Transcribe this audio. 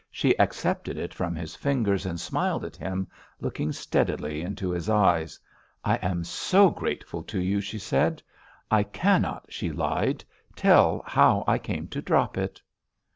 She accepted it from his fingers and smiled at him, looking steadily into his eyes. "I am so grateful to you," she said. "I cannot," she lied, "tell how I came to drop it!"